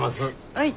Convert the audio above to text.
はい。